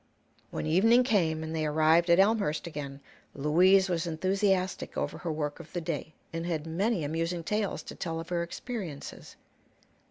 When evening came and they had arrived at Elmhurst again, Louise was enthusiastic over her work of the day, and had many amusing tales to tell of her experiences.